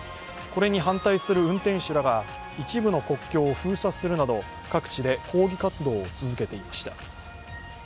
これに反対する運転手らが一部の国境を封鎖するなど各地で抗議活動を続けていました。